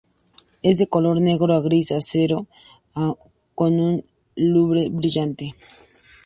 Es de color negro a gris acero con un lustre brillante.